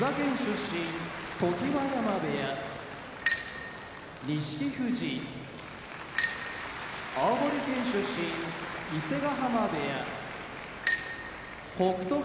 常盤山部屋錦富士青森県出身伊勢ヶ濱部屋北勝